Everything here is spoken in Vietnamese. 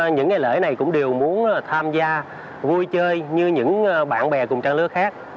những ngày lễ này cũng đều muốn tham gia vui chơi như những bạn bè cùng trang lứa khác